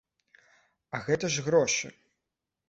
А гэта ж грошы!